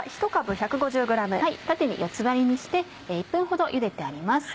縦に４つ割りにして１分ほどゆでてあります。